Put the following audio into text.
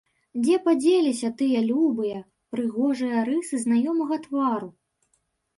Дзе падзеліся тыя любыя, прыгожыя рысы знаёмага твару?